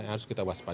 harus kita waspada